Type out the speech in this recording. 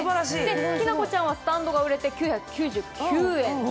きなこちゃんはスタンドが売れて９９９円。